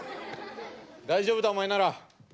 大丈夫だお前なら。